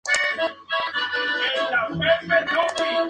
Esta estación sirve a estudiantes y facultad del Pasadena City College.